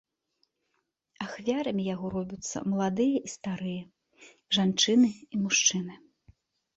Ахвярамі яго робяцца маладыя і старыя, жанчыны і мужчыны.